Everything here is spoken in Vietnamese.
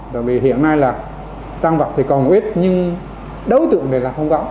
tại vì hiện nay là tăng vật thì còn một ít nhưng đối tượng thì là không có